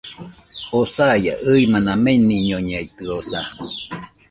Oo saia, ɨimana meniñoñeitɨosa